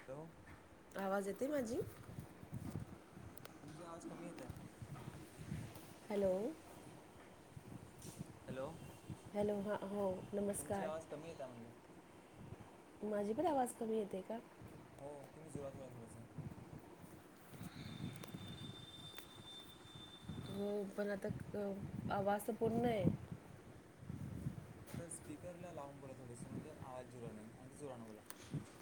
Hello आवाज येते माझी म्हणजे आवाज कमी येतय हॅलो. हॅलो हॅलो हा हो तुमची नमस्कार. आवाज कमी येत आहे म्हणलं माझी पण आवाज कमी येतेय का हो [unintelligible] हो पण आता आवाज तर पूर्ण हे स्पीकर ला लावून बोला थोडासा [unintelligible]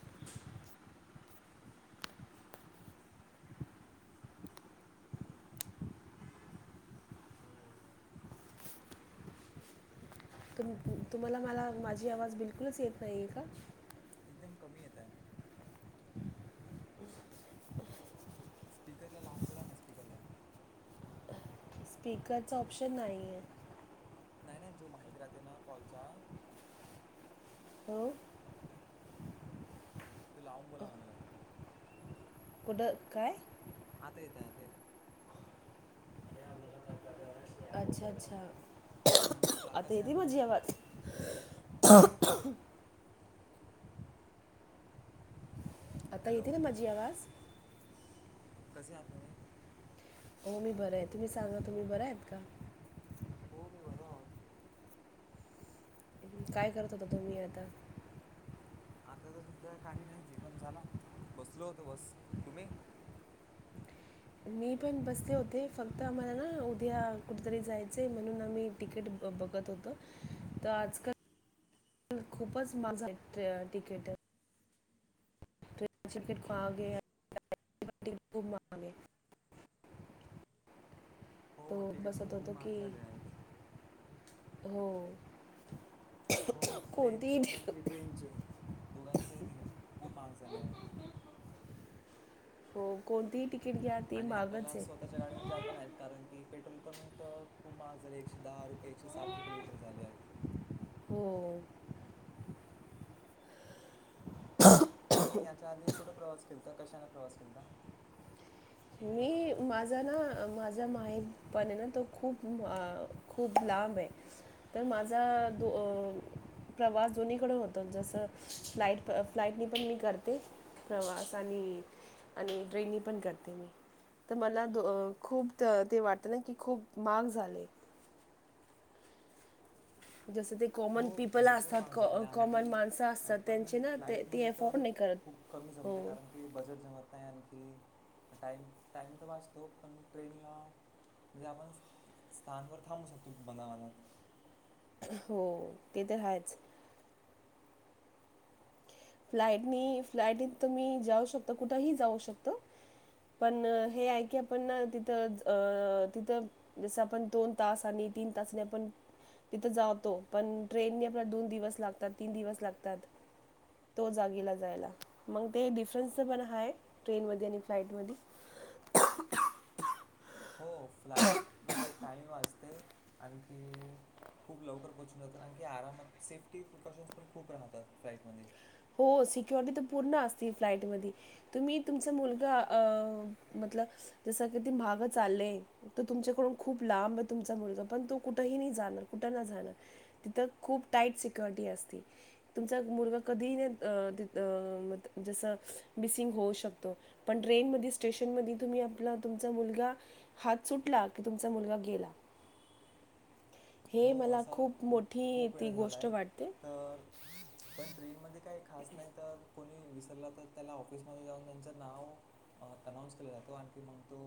तुम्हाला मला माझी आवाज बिलकुलच येत नाही हे का? कमी येत आहे स्पीकरला लावून बोला ना स्पीकरला स्पीकरचा ऑप्शन नाहीये. नाही नाही तो राहते ना कॉलचा हो तु लावून बोला म्हणला पुढ काय? आता येत आता येत अच्छा अच्छा नमस्कार आता कसे येत आहात माझी तुम्ही आवाज [unintelligible] आता येते हॅलो ना माझी आवाज कसे आहात तुम्ही? हो मी बरं आहे तुम्ही सांगा तुम्ही बरं आहेत का? हो मी बरा आहे. काय करत होता तुम्ही आता आता तर सध्या काही नाही जेवण झाला बसलो होत बस तुम्ही मी पण बसते होते फक्त आम्हाला ना उद्या कुठेतरी जायचंय म्हणून आम्ही तिकीट बघत होत तर आजकाल खूपच मज्जा येत. [inaudible] तो हो तिकीट बसत तर खूप होतो महाग की झाले आहेत हो हो प्लेनचे कोणतीही म्हणा कि ति- ट्रेनचे [unintelligible] हो कोणतीही टिकिट आणि आपल्याला स्वतःच्या गाडून जाता नाहीत कारण की पेट्रोल पण खूप महाग झाले एकशे दहा रुपये एकशे सात रुपये लिटर झाले आहेत हो मी याच्या आधी कुठं प्रवास केलता कशाने प्रवास केलता? मी माझा ना माझा माहीर पणे ना तो खूप खूप लांब आहे तर माझा दो अ प्रवास दोन्हीकडे होतो जसं फ्लाईट फ्लाईटनी पण मी करते. [unintelligible] तर मला द खूप ते वाटतं ना कि खूप महाग झाले. जसं ते कॉमन हो पीपल भरपूर असतात महाग कॉ झाले आहे कॉमन आणखी माणसं अ, असतात पण त्यांचे ना ते ती फ्लाईटमध्ये अफोर्ड तर नाही करत. खूप कमी हो जमते कारण की बजेट जमत नाही आणि की टाईम टाईम तर वाचतो पण ट्रेनला म्हणजे आपण स्थानवर थांबू शकतो बनावाला हो ते तर हायच फ्लाईटनी फ्लाईटत तुम्ही जाऊ शकता कुठेही जाऊ शकता? पण हे आहे की आपण तिथं अ तिथं जसं आपण दोन तास आणि तीन तासांनी पण तिथं जातो पण ट्रेनने आपला दोन दिवस लागतात तीन दिवस लागतात. तो जागेला जायला मग ते डिफरन्सच पण हाय ट्रेनमध्ये आणि फ्लाईटमध्ये. [unintelligible] हो फ्लाईट मुळे टाईम वाचते आणखी खूप लवकर पोचून जातो आणखी आरामात सेफ्टी प्रिकॉशन्स पण खूप राहतात फ्लाईटमध्ये. हो सिक्युरिटी तर पूर्ण असते फ्लाईट मध्ये तुम्ही तुमचा मुलगा अ जसं की मागे चाललेय तर तुमच्याकडून खूप लांब तुमचा मुलगा पण तो कुठंही जाणार कुठं नाही जाणार तिथं खुप टाईट सिक्युरिटी असते तुमचा मुलगा कधी नाही अ जसं मिसिंग होऊ शकतो पण ट्रेन मध्ये स्टेशन तुम्ही आपलं तुमचा मुलगा हात सुटला की तुमचा मुलगा गेला [unintelligible] हे हो मला असा खूप मोठी खूप ती वेळ गोष्ट झालाय वाटते. तर पण ट्रेनमध्ये काही खास नाही तर कोणी विसरला तर त्याला ऑफिसमध्ये जाऊन त्यांच नाव अनाऊन्स केलं जातं आणखी मग तो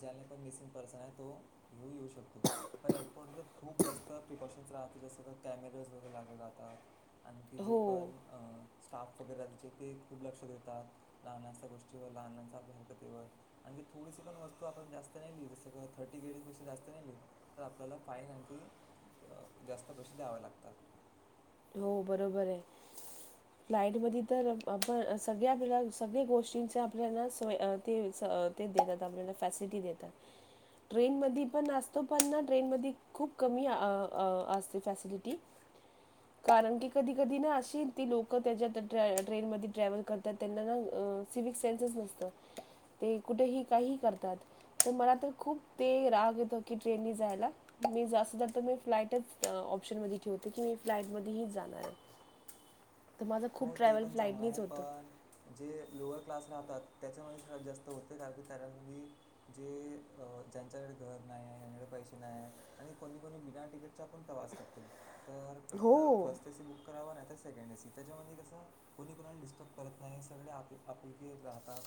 ज्याने पण मिसिंग पर्सन आहे तो घेऊन येऊ शकतो पण एअरपोर्टवर खूप जास्त प्रिकॉशन्स राहते जसं का कॅमेरेज वगैरे लागले जातात आणखी जे हो, पण अ स्टाफ वगैरे जे ते खूप लक्ष देतात लहनशा गोष्टींवर लहानांच्या प्रक्रुतीवर आणि थोडीशी पण वस्तू आपण जास्त नेली जसं थर्टीगिरी पेक्षा जास्त नेली तर आपल्याला फाइन ते जास्त पैसे द्यावे लागतात हो बरोबर आहे लाईट मध्ये तर आपण सगळे आपल्या सगळ्या गोष्टींचे आपल्याला ते ते देतात आपला फॅसिलिटी देतात ट्रेन मध्ये पण असतो पण ना ट्रेन मध्ये खूप कमी अ अ असते फॅसिलिटी [unintelligible] कारण की कधी कधी ना असे आहेत ती लोकं त्याच्या ट्रेन मध्ये ट्रॅव्हल करतात त्यांना ना सिविक सेन्सच नसतात ते कुठेही काहीही करतात तर मला तर खूप ते राग येतो की ट्रेननी जायला मी जास्त ज मी फ्लाइटच ऑप्शन मध्ये ठेवते की मी फ्लाटमध्ये जाणार आहे तर माझं खूप हो ते ट्रॅव्हल पण चांगला आहे फ्लाईटनीच होतं पण जे लोअल क्लास जातात त्याच्यामध्येच हा जात होते कारण की जे ज्यांच्याकडे घर नाही पैसे नाही आणि कोणी कोणी बिना तिकीटचा पण प्रवास करते तर एक हो तर फर्स्ट एसी बुक करावं नाही तर सेकंड एसी त्याच्यामध्ये कसं कोणी कोणाला डिस्टर्ब करत नाही सगळे आप आपुलकीे राहतात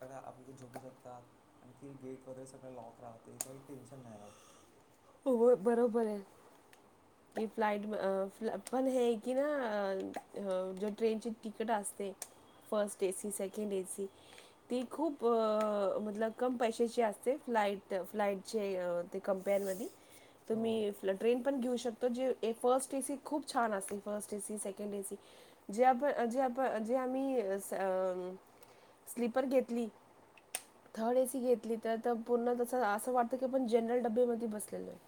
सगळं आपल्याकडे झोपू शकतात आणखी गेट वगैरे सगळं लॉक राहतात काही टेन्शन नाही राहत [unintelligible] बरोबर आहे की फ्लाइट पण हे कि ना जे ट्रेनची तिकट अस असते फर्स्ट एसी सेकंड एसी ती खूप मतलब कम पैशाची असते फ्लाईट फ्लाईटचे ते कंप्यांमध्ये हो तुम्ही ट्रेन खी जे आम्ही स्लीपर घेतली थर्ड एसी घेतली तर पूर्ण तस असं वाटत की पण जनरल डब्बे मध्ये बसलेलो आहे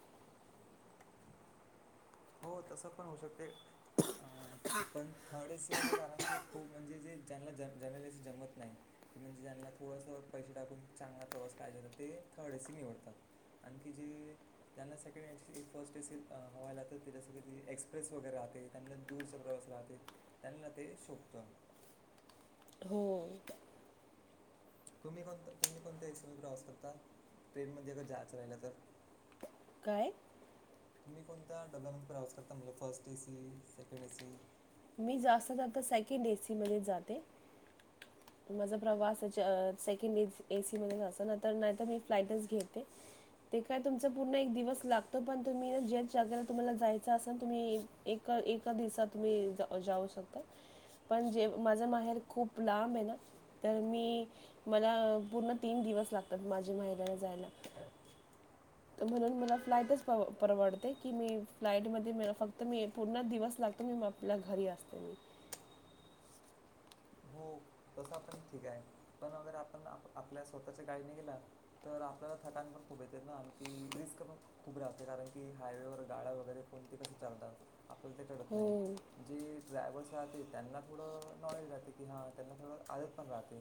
हो तस पण होऊ शकते पण थडे कारण क ख म्हणजे ज ज जमत नाही की म्हणजे ज्यांना थोड पैा चांगला प्रवास पाहिजे तर ते थर्ड एसी निवडतात आणखी जे ज्यांना सेकंड फर्स्ट अस हवायला जसं क एक्सप्रेस वगैरे राहते त्यांना दूरचा प्रवास राहते त्यांना ते शोपत [unintelligible] हो तुम्ही कोणता तुम्ही कोणत्या एक्स प्रवास करता ट्रेन मध्ये अर जायचं राहिलं तर काय तुम्ही कोणत्या डब्यामध्ये प्रवास करता म्ह first A C second AC मी जास्त सेकेंड एसी मध्ये जाते माझा प्रवास सेकंड एसी मध्ये ना तर नाहीतर मी फ्लाइटच घेते ते काय तुमचा पूर्ण एक दिवस लागतो पण तुम्ही जगेला तुम्हाला जायच असाल तुम्ही एका दिवसात मही जाऊ शकता पण जे माझा माहेर खूप लांब आहे ना तर मी मला पूर्ण तीन दिवस लागतात माझ्या माहिलाला जायला. म्हणून मला फ्लाइटच परवडते की मी फ्लाईट मध्ये फक्त मी पूर्ण दिवस लाग म आपल्या घरी असते म [unintelligible] तस पण ठीक आहे पण अगर आपण आपल्या स्वतःच्या गाडीने गेला तर आपल्याला थटण पण खूप येते ना आणखी रिस्क पण खूप राहते कारण की हायवेवर गाड्या वगैरे कोण ते कसे चालतात. आपला ते कळत हो नाही जे ड्रायव्हर्स राहतील त्यांना थोडं नॉलेज राहते की हां. त्यांना थोडं आदत पण राहते.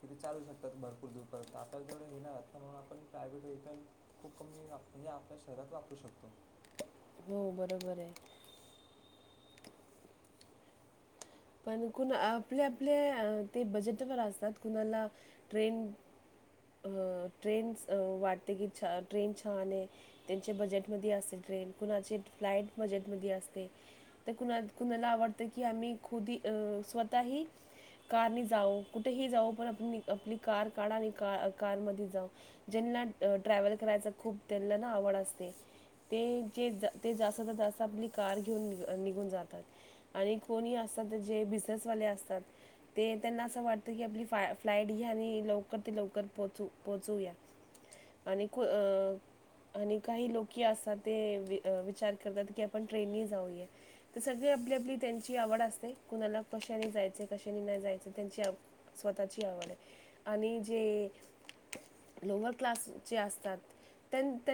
कि ते चालू शतात भरपूर दूरपर्यंत आपल्याला तेवढ घ येणार ना म्हणून आपण प्रायव्हेट वहेिकल खूप कमी म्हणजे आपल्या शरीरात वापरू शकतो. हो बरोबर आहे. पण कुण आपले आपले ते बजेटवर असतात कुणाला ट्रेन अ ट्रेन वाटते की ट्रेन छान आहे त्यांच्या बजेट मध्ये असे. ट्रेन कुणाची फ्लाईट बजेटमध्ये असते तर कुणा कुणाला आवडतं की आम्ही खुदी अ स्वतःही कार जाऊ कुठेही जाऊ पण आप आपली कार काढा आणि कार मध्ये जाऊ ज्यांनी ट्रॅवल कराय खूप त्यांना ना आवड असते. ते जास्त जास्त आपली कार घेऊन निघून जातात आणि कोणी अस. बस वा असतात ते त्यांना असं वाटत की आपली फ्लाईट घ्या आणि लवकर लव पोह पोहोचूया आणि अ आणि काही लोक असत ते विचार करतात की आपण ट्रेनने जाऊया सगळे. ब्ल्यब््यू त्यांची आवड असते. कुणाला कशानी जायच कशानी नाही जायच त्यांची स्वतःची आवड आहे आणि जे लोअ क्लासचे असतात. त्यांना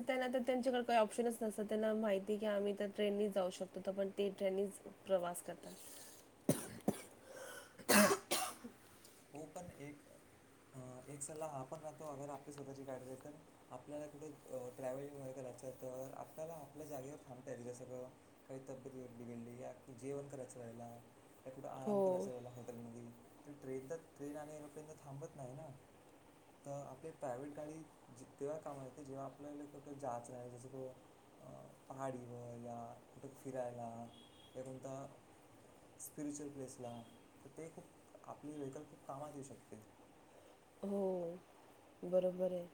त्यांच्याकडेही ऑप्शनच न त्यांना माहिती की आमही ट्रेननी जाऊ शकतो. ण ते ठ प्रवास करत. हो पण एक अ एक सल्ला हा आपण राहतो अगर आपली स्वतःची गाडी तर आपल्याला कं ट्रॅव्हलिंगगैर करायचं. तर आपल्याला आपल्या जागेवर थांबतायेते जसं काही तब्येत बिघडली जेवण करायच राहिला. का कुठं हो आराम करायचचां राला हॉटेलमध्ये तर ट्रेन तर ट्रेन आणि एरोप्लेन तर थांबत नाही ना. तर आपली प्रायव्हेट गाडी तेव्हा कामा येत जेव्हा आपल्याला क जाच नाही जसं क अ पहाडीवर या कुठं फिरायला या कोणत? स्पिरिच्युअल प्लेसला तर ते खूप आपली व्हेकल खूप कामात येऊ शकते. हो बरोबर आहे.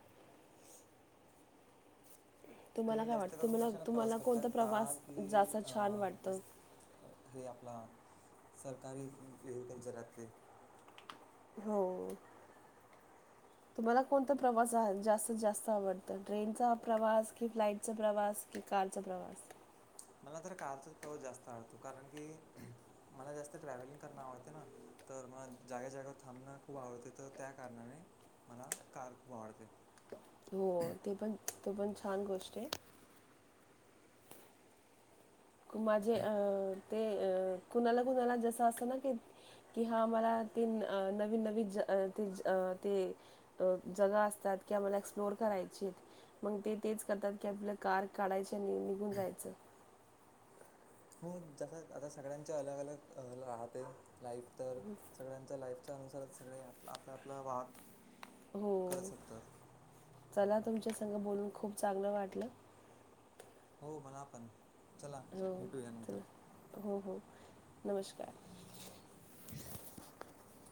तुम्हाला तुम्ही काय जास्त वाटत करून तुम्हाला कशानं प्रवास तुम्हाला करता कोणता कार प्रवास की जास्त छान अं, वाटत. जस- अं, हे आपला सरकारी वेहिकल जरात ते हो. [unintelligible] तुम्हाला कोणता प्रवास जास्तीत जास्त आवडत ट्रेनचा प्रवास कि फ्लाइटचा प्रवास कि कारचा प्रवास मला तर कारचा प्रवास जास्त आवडतो कारण की मला जास्त ट्रॅव्हलिंग करण आवडते ना. तर मला जागे जागेवर थांबणं खूप आवडते तर त्या कारणाने मला कार खूप आवडते. हो ते पण तो पण छान गोष्ट आहे. माझे अ ते अ कुणाला कुणाला जस असत ना क कि हा मला नवनवीन ते अ‌ज अ फ्लोर करायचे मग ते तेच करतात की आपलं कार काढायची आणि निघून जायचं. हो ज आता सगळ्यांच्या अलग अलग राहते लाईफ तर सगळ्यांच्या लाईफ त्यानुसारच सगळे आप आपला वाग हो. करत शकतात. चला तुमच्या संग बोलून खूप चांगलं वाटलं. हो मला पण चला हो भेटूया नंतर तर, हो- हो [inaudible] नमस्कार [inaudible]